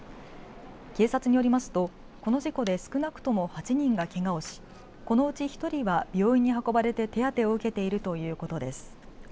警察によりますとこの事故で少なくとも８人がけがをしこのうち１人は病院に運ばれて手当てを受けているということです。